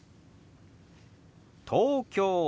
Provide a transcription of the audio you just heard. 「東京」。